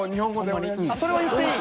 それは言っていい？